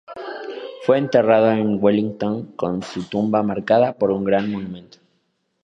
Fue enterrado en Wellington, con su tumba marcada por un gran monumento.